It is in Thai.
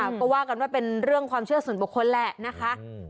เพราะว่ากันว่าเป็นเรื่องความเชื่อส่วนบกคนแหละนะคะอืม